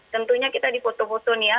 tentunya kita di foto foto nih ya